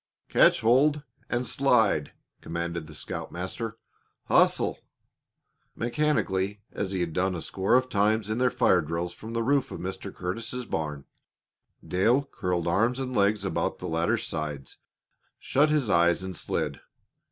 "Catch hold and slide!" commanded the scoutmaster. "Hustle!" Mechanically, as he had done a score of times in their fire drills from the roof of Mr. Curtis' barn, Dale curled arms and legs about the ladder sides, shut his eyes, and slid.